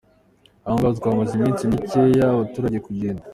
Aho ngaho twahamaze iminsi mikeya, dukangurira abaturage kugenda.